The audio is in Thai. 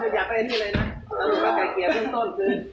เราลุกกับไกลเกียรติพรุ่งต้นคืน